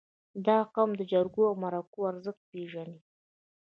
• دا قوم د جرګو او مرکو ارزښت پېژني.